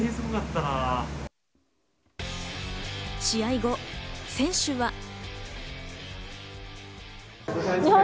試合後、選手は。